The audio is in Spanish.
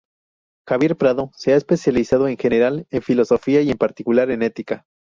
Javier Prado se ha especializado en general en Filosofía y en particular en Ética.